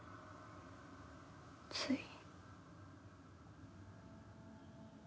「つい」？